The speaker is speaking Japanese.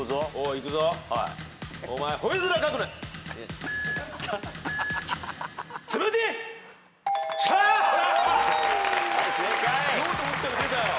言おうと思ったら出たよ。